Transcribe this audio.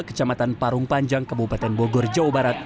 kecamatan parung panjang kabupaten bogor jawa barat